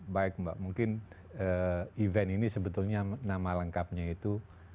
baik mbak mungkin event ini sebetulnya nama lengkapnya itu